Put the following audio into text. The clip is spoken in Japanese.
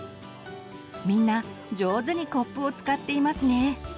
みんなじょうずにコップを使っていますね。